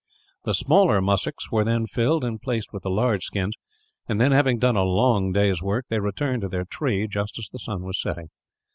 The smaller mussucks were then filled and placed with the large skins; and then, having done a long day's work, they returned to their tree just as the sun was setting.